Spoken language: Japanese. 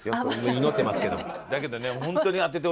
祈ってますけども。